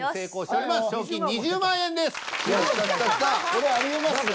これありえますね。